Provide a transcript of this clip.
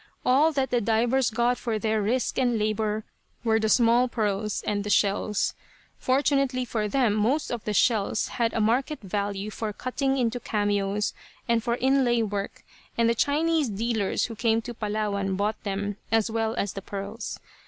All that the divers got for their risk and labor were the small pearls and the shells. Fortunately for them most of the shells had a market value for cutting into cameos, and for inlay work, and the Chinese dealers who came to Palawan bought them, as well as the pearls.